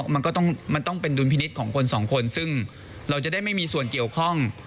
มันก็ต้องมันต้องเป็นดุลพินิษฐ์ของคนสองคนซึ่งเราจะได้ไม่มีส่วนเกี่ยวข้อง